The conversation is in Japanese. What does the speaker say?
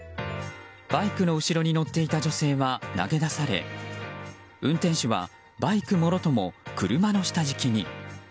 バイクの後ろに乗っていた女性は投げ出され運転手はバイクもろとも車の下敷きに。